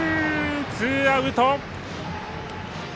ツーアウト。